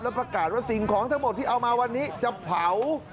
ประกาศว่าสิ่งของทั้งหมดที่เอามาวันนี้จะเผา